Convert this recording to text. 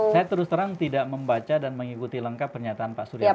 saya terus terang tidak membaca dan mengikuti lengkap pernyataan pak surya palo